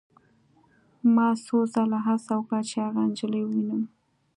ما څو ځله هڅه وکړه چې هغه نجلۍ ووینم